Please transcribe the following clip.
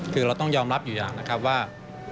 คือเราต้องยอมรับอยู่อย่างนะครับว่า